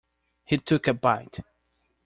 He took a bite.